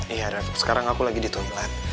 iya ref sekarang aku lagi di toilet